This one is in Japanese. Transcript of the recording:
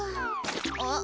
あっ？